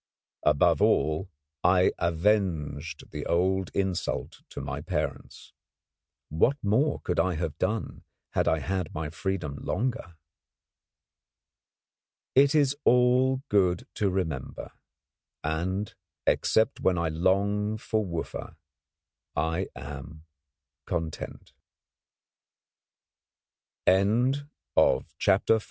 Above all, I avenged the old insult to my parents. What more could I have done had I had my freedom longer? It is all good to remember, and, except when I long for Wooffa, I am content. THE END BILLING AND SONS, LTD.